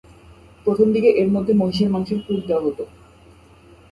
প্রথমদিকে এর মধ্যে মহিষের মাংসের পুর দেয়া হতো।